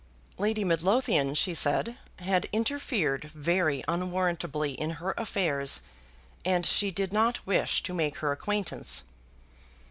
Lady Midlothian, she said, had interfered very unwarrantably in her affairs, and she did not wish to make her acquaintance.